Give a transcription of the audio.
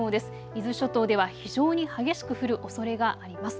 伊豆諸島では非常に激しく降るおそれがあります。